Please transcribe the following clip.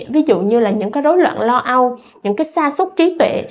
ví dụ như những rối loạn lo âu những xa xúc trí tuệ